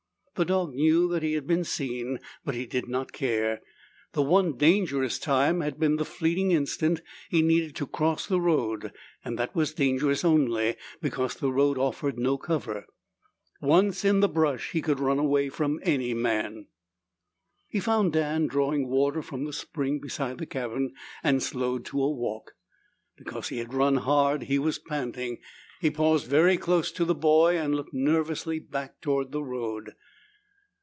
The dog knew that he had been seen, but he did not care. The one dangerous time had been the fleeting instant he'd needed to cross the road and that was dangerous only because the road offered no cover. Once in the brush, he could run away from any man. He found Dan drawing water from the spring beside the cabin and slowed to a walk. Because he had run hard, he was panting. He paused very close to the boy and looked nervously back toward the road.